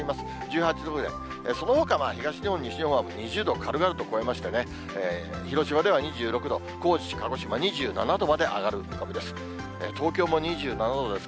そのほかは東日本、西日本は、２０度を軽々と超えましてね、広島では２６度、高知、鹿児島、２７度まで上がる見込みです。